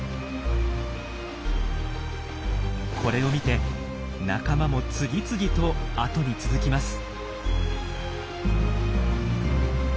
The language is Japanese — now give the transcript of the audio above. これを見て仲間も次々と後に続きます。